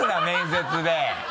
面接で。